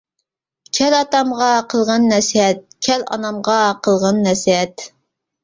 كەل ئاتامغا قىلغىن نەسىھەت، كەل ئانامغا قىلغىن نەسىھەت.